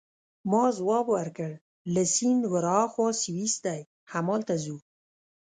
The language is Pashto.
ما ځواب ورکړ: له سیند ورهاخوا سویس دی، همالته ځو.